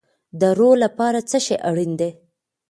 د روح لپاره څه شی اړین دی؟